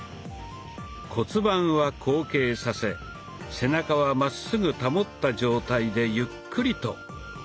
骨盤は後傾させ背中はまっすぐ保った状態でゆっくりと。